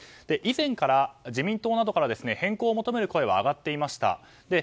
以前から自民党などから変更を求める声は上がっていました。